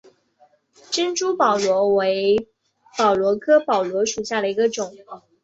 珍珠宝螺为宝螺科宝螺属下的一个种。